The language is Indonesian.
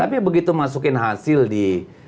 tapi begitu masukin hasil di